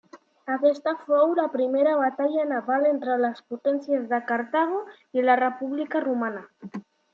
Aquesta fou la primera batalla naval entre les potències de Cartago i la República Romana.